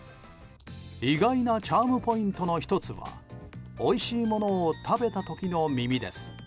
意外なチャームポイントの１つはおいしいものを食べた時の耳です。